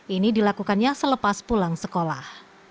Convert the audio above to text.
ini dilakukannya selepas pulang sekolah